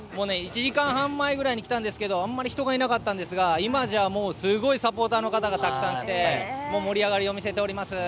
１時間半ぐらい前に来ましたがあんまり人がいなかったんですが今じゃ、すごいサポーターの方がたくさん来て盛り上がりを見せております。